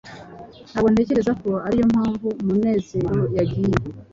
ntabwo ntekereza ko ariyo mpamvu munezero yagiye